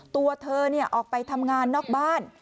ตัวเธอออกไปทำงานนอกบ้าน